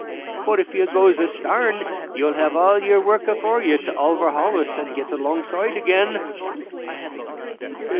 for if you goes astarn, you'll have all your work afore ye to overhaul us and get alongside again."